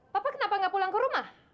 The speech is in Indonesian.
papa kenapa nggak pulang ke rumah